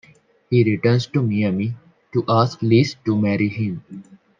He returns to Miami to ask Liz to marry him.